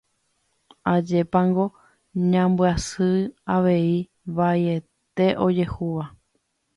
Ajépango ñambyasy mba'e vaiete ojehúva